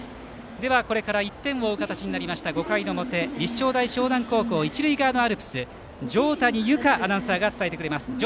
ではこれから１点を追う形になりました５回の表、立正大淞南高校一塁側のアルプス条谷有香アナウンサーです。